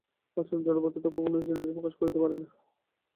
অচেতন জড়পদার্থ কখনও নিজেকে নিজে প্রকাশ করিতে পারে না।